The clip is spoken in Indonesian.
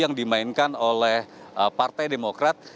yang dimainkan oleh partai demokrat